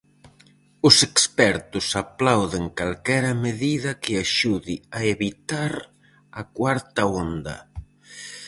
Os expertos aplauden calquera medida que axude a evitar a cuarta onda.